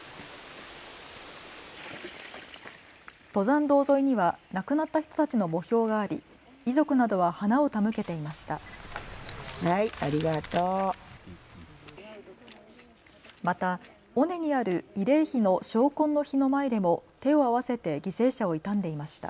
登山道沿いには亡くなった人たちの墓標があり遺族などは花を手向けていました。